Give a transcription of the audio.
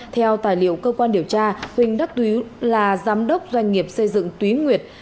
theo tài liệu cơ quan điều tra huỳnh đắc túy là giám đốc doanh nghiệp xây dựng túy nguyệt